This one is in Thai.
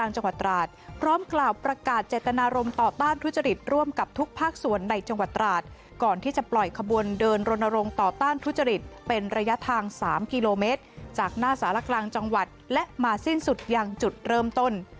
จากหน้าสารกลางจังหวัดและมาสิ้นสุดอย่างจุดเริ่มต้น